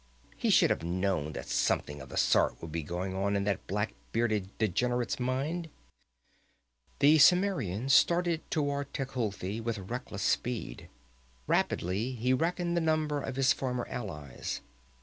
He should have known that something of the sort would be going on in that black bearded degenerate's mind. The Cimmerian started toward Tecuhltli with reckless speed. Rapidly he reckoned the numbers of his former allies.